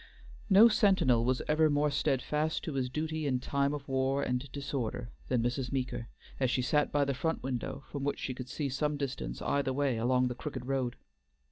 No sentinel was ever more steadfast to his duty in time of war and disorder than Mrs. Meeker, as she sat by the front window, from which she could see some distance either way along the crooked road.